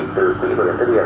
từ quý bảo hiểm thất nghiệp